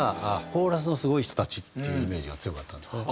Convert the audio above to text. コーラスのすごい人たちっていうイメージが強かったんですね。